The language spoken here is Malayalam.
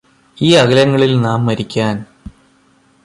ഈ അകലങ്ങളിൽ നാം മരിക്കാൻ